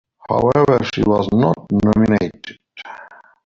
However, she was not nominated.